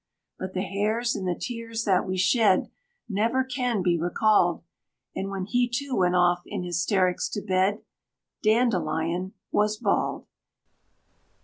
But the hairs and the tears that we shed Never can be recalled; And when he too went off, in hysterics, to bed, DANDELION was bald.